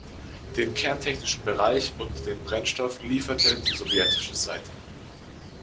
Den kerntechnischen Bereich und den Brennstoff lieferte die sowjetische Seite.